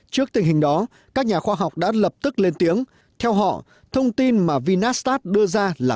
trước tình hình đó các nhà khoa học đã lập tức lên tiếng theo họ thông tin mà vinastat đưa ra là